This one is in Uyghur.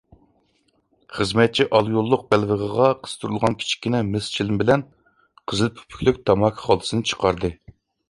خىزمەتچى ئالا يوللۇق بەلۋېغىغا قىستۇرۇلغان كىچىككىنە مىس چىلىم بىلەن قىزىل پۆپۈكلۈك تاماكا خالتىسىنى چىقاردى.